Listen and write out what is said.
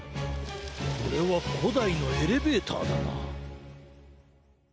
これはこだいのエレベーターだな。